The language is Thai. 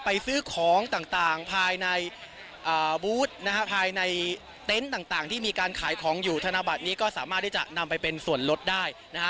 ไปซื้อของต่างภายในบูธนะฮะภายในเต็นต์ต่างที่มีการขายของอยู่ธนบัตรนี้ก็สามารถที่จะนำไปเป็นส่วนลดได้นะฮะ